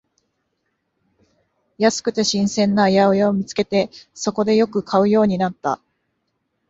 安くて新鮮な八百屋を見つけて、そこでよく買うようになった